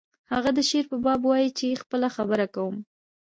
هغه د شعر په باب وایی چې خپله خبره کوم